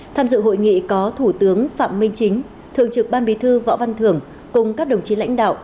tham dự hội nghị có thủ tướng phạm minh chính thường trực ban bí thư võ văn thưởng cùng các đồng chí lãnh đạo